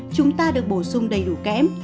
chúng ta được bổ sung đầy đủ kém